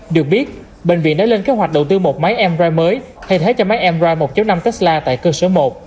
được biết bệnh viện đã lên kế hoạch đầu tư một máy mri mới thay thế cho máy mri một năm tesla tại cơ sở một